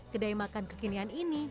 kedai makan kekinian ini